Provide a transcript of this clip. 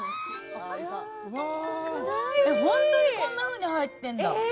本当に、こんなふうに入ってるんだ。